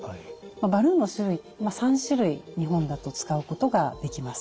バルーンの種類３種類日本だと使うことができます。